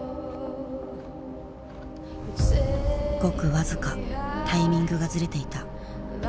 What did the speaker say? ごく僅かタイミングがズレていた。